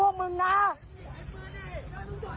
เออมึงจะเอากูเปล่า